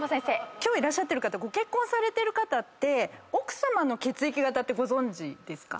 今日いらっしゃってる方ご結婚されてる方って奥さまの血液型ってご存じですか？